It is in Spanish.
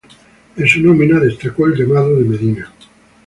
En su nómina destacó el llamado de Medina.